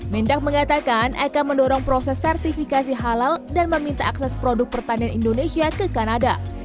mendak mengatakan akan mendorong proses sertifikasi halal dan meminta akses produk pertanian indonesia ke kanada